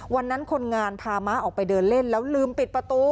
วันนั้นคนงานพาม้าออกไปเดินเล่นแล้วลืมปิดประตู